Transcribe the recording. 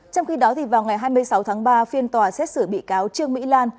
trong khi đó vào ngày hai mươi sáu tháng ba phiên tòa xét xử bị cáo trương mỹ lan